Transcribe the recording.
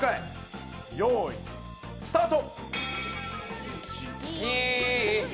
よいスタート！